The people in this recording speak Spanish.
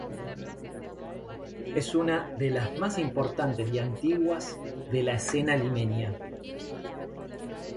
Es una de las más importantes y antiguas de la escena limeña.